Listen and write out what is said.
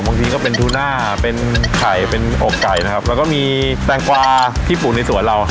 บางทีก็เป็นทูน่าเป็นไข่เป็นอกไก่นะครับแล้วก็มีแตงกวาที่ปลูกในสวนเรา